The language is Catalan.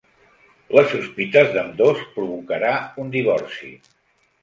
Les sospites d'ambdós provocarà un divorci.